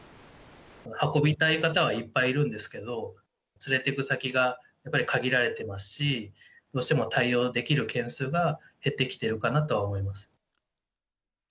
運びたい方はいっぱいいるんですけど、連れていく先がやっぱり限られてますし、どうしても対応できる件数が減ってきているかなとは思います。